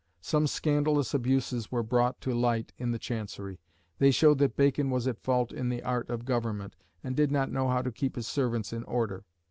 Some scandalous abuses were brought to light in the Chancery. They showed that "Bacon was at fault in the art of government," and did not know how to keep his servants in order.